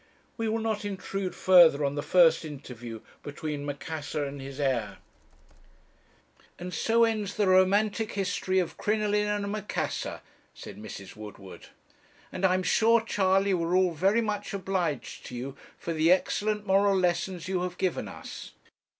"We will not intrude further on the first interview between Macassar and his heir." 'And so ends the romantic history of "Crinoline and Macassar",' said Mrs. Woodward; 'and I am sure, Charley, we are all very much obliged to you for the excellent moral lessons you have given us.'